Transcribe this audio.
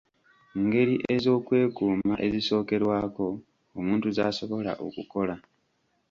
Ngeri ez'okwekuuma ezisookerwako omuntu z'asobola okukola?